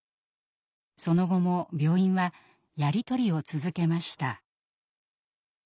その後も病院はやり取りを続けました。